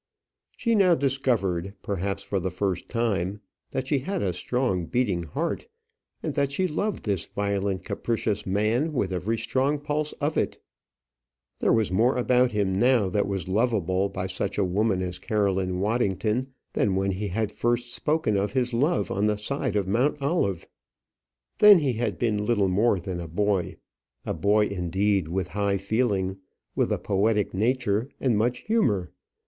She now discovered, perhaps, for the first time, that she had a strong beating heart, and that she loved this violent capricious man with every strong pulse of it. There was more about him now that was lovable by such a woman as Caroline Waddington than when he had first spoken of his love on the side of Mount Olivet. Then he had been little more than a boy; a boy indeed with a high feeling, with a poetic nature, and much humour.